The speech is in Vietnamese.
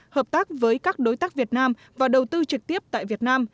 hợp tác với các đối tác việt nam và đầu tư trực tiếp tại việt nam